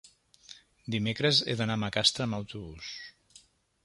Dimecres he d'anar a Macastre amb autobús.